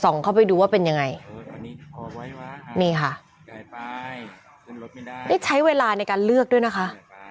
เข้าไปดูว่าเป็นยังไงวะนี่ค่ะนี่ใช้เวลาในการเลือกด้วยนะคะ